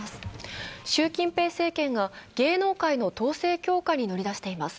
習近平政権が芸能界の統制強化に乗り出しています。